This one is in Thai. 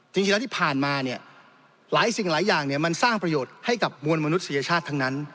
จริงแล้วที่ผ่านมาเนี่ยหลายสิ่งหลายอย่างมันสร้างประโยชน์ให้กับมวลมนุษยชาติทั้งนั้น